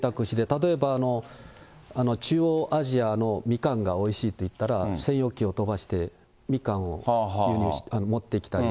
例えば中央アジアのみかんがおいしいといったら、専用機を飛ばしてみかんを持ってきたり。